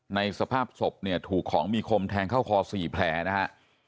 สภาพศพเนี่ยถูกของมีคมแทงเข้าคอ๔แผลนะฮะ